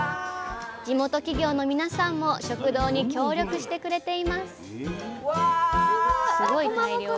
地元企業の皆さんも食堂に協力してくれています